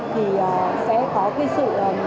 thì sẽ có cái sự